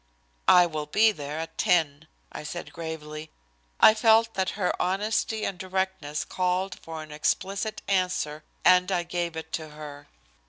"I will be there at 10," I said gravely. I felt that her honesty and directness called for an explicit answer, and I gave it to her.